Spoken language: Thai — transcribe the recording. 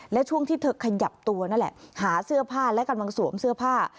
และช่วงที่เธอขยับตัวนั่นแหละหาเสื้อผ้าและกำลังสวมเสื้อผ้า